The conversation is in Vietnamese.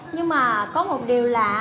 nhưng mà có một điều lạ